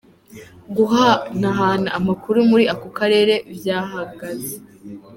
Guhanahana amakuru muri ako karere vyahagaze.